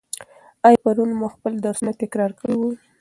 آیا پرون مو خپل درسونه تکرار کړي وو؟